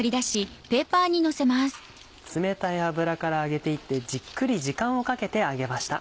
冷たい油から揚げていってじっくり時間をかけて揚げました。